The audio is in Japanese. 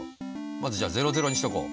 まずじゃあにしとこう。